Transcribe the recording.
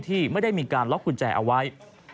ที่ไม่ได้มีการล็อกกุญแจเอาไว้